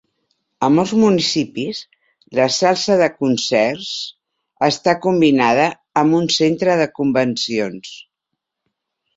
A molts municipis, la salsa de concerts està combinada amb un centre de convencions.